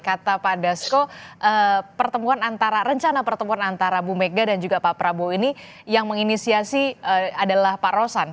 kata pak dasko pertemuan antara rencana pertemuan antara bu mega dan juga pak prabowo ini yang menginisiasi adalah pak rosan